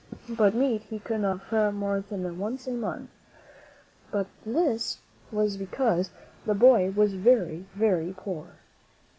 But meat he could not have more than once a month. This was be cause the boy was very, very poor.